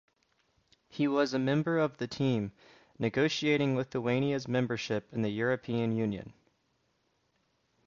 He was a member of the team, negotiating Lithuania's membership in the European Union.